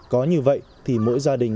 có như vậy thì mỗi gia đình